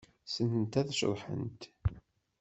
Ssnent ad ceḍḥent?